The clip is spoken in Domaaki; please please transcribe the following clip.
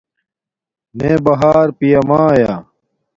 میے بہار پیامایا